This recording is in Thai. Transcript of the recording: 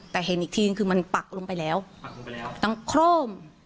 แต่เห็นอีกทีคือมันปักลงไปแล้วตั้งโคร่ม